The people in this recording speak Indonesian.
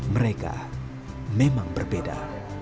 mereka memang berbeda